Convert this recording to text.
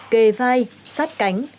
kề vai sát cánh